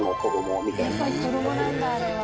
やっぱり子どもなんだあれは。